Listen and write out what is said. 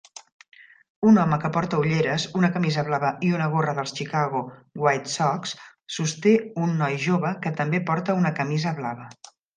Un home que porta ulleres, una camisa blava i una gorra dels Chicago White Sox sosté a un noi jove que també porta una camisa blava